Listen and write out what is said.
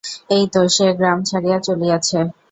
এই তো সে গ্রাম ছাড়িয়া চলিয়াছে।